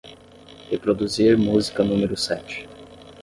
Reproduzir música número sete.